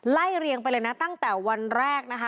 เรียงไปเลยนะตั้งแต่วันแรกนะคะ